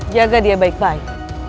jaga dia baik baik